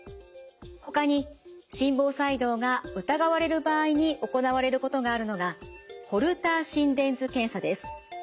ほかに心房細動が疑われる場合に行われることがあるのがホルター心電図検査です。